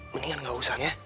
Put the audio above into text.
mendingan gak usah ya